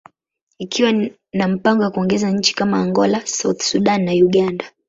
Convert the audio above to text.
ikiwa na mipango ya kuongeza nchi kama Angola, South Sudan, and Uganda.